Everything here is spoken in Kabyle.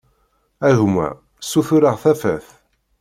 A gma ssutureγ tafat.